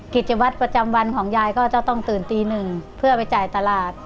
กิจวัตรประจำวันของยายก็จะต้องตื่นตีหนึ่งเพื่อไปจ่ายตลาด